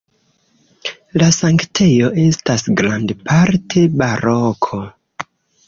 La sanktejo estas grandparte baroko.